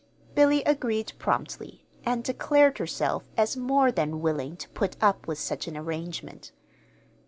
Billy agreed promptly, and declared herself as more than willing to put up with such an arrangement.